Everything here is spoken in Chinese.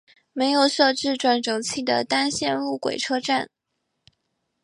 没有设置转辙器的单线路轨车站。